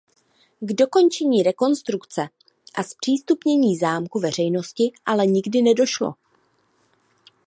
K dokončení rekonstrukce a zpřístupnění zámku veřejnosti ale nikdy nedošlo.